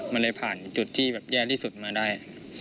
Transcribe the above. มันเลยผ่านจุดที่แบบแย่ที่สุดมาได้